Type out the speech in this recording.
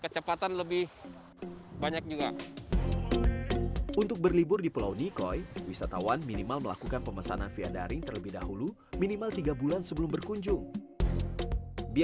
seperti silat pengantin gasing ini